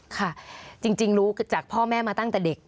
ค่ะจริงรู้จากพ่อแม่มาตั้งแต่เด็ก